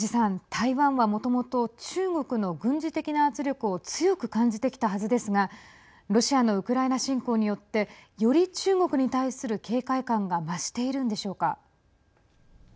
台湾はもともと中国の軍事的な圧力を強く感じてきたはずですがロシアのウクライナ侵攻によってより中国に対する警戒感が増しているんでしょうか。